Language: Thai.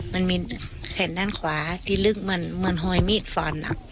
มันมีแขนด้านขวาที่ลึกเหมือนหอยมีดฟัน